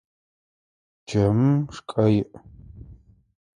Чэмым шкӏэ иӏ.